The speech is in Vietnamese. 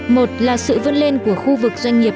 một là sự vươn lên của khu vực doanh nghiệp